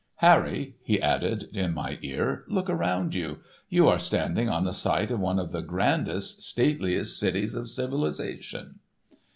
Harry," he added in my ear, "look around you. You are standing on the site of one of the grandest, stateliest cities of civilisation."